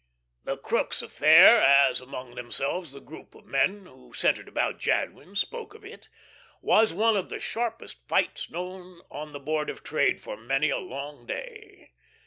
The "Crookes affair" as among themselves the group of men who centred about Jadwin spoke of it was one of the sharpest fights known on the Board of Trade for many a long day.